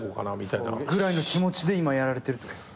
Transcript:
ぐらいの気持ちで今やられてるってことですか？